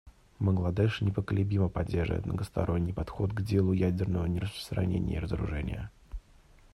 Бангладеш непоколебимо поддерживает многосторонний подход к делу ядерного нераспространения и разоружения.